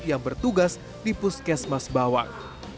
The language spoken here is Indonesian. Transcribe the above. yang bertugas di puskesmas bawang